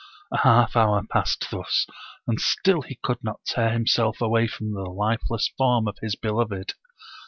A half hour passed thus, and still he could not tear himself away from the lifeless form of his beloved.